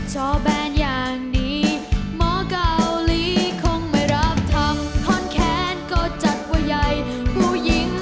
เหมือนตบหัวแล้วรูปหลังไงก็ไม่รู้